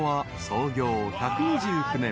［創業１２９年。